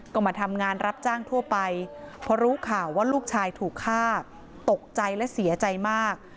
ก็มาทำงานรับจ้างทั่วไปพอรู้ข่าวว่าลูกชายถูกฆ่าตกใจและเสียใจมาก